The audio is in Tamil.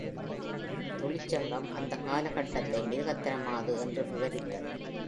தொழிற்சங்கம் அந்த காலகட்டத்தை மிருகத்தனமாது என்று விவரித்தது.